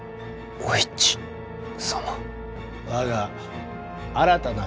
お市様？